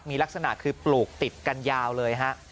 มีลักษณะคือปลูกติดกันยาวเลยฮะ